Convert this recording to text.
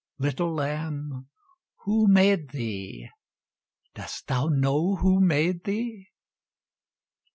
Little lamb, who made thee? Dost thou know who made thee?